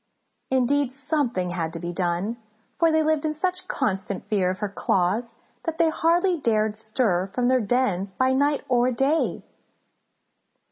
Indeed, something had to be done, for they lived in such constant fear of her claws that they hardly dared stir from their dens by night or day.